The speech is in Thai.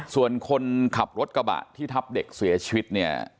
ส่วนคนขับรถกระบะที่ทับเด็กเสียชีวิตเนี่ย